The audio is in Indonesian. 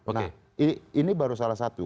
nah ini baru salah satu